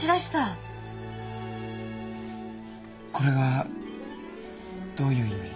これがどういう意味？